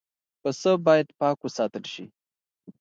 پسه باید پاک وساتل شي.